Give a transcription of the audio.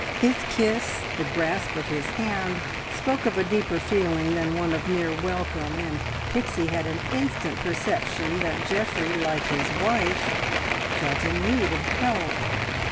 His kiss, the grasp of his hand, spoke of a deeper feeling than one of mere welcome, and Pixie had an instant perception that Geoffrey, like his wife, felt in need of help.